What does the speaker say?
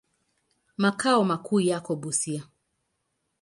Makao makuu yako Busia.